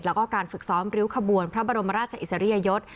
และการการฝึกซ้อมประบรมราชาอิสริยยศ